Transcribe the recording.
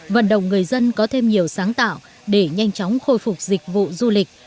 vận động người dân có thêm nhiều sáng tạo để nhanh chóng khôi phục dịch vụ du lịch